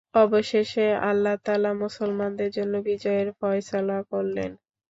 অবশেষে আল্লাহ তাআলা মুসলমানদের জন্য বিজয়ের ফয়সালা করলেন।